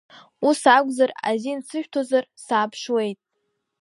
Ус акәзар, азин сышәҭозар, сааԥшуеит!